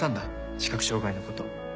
視覚障がいのこと。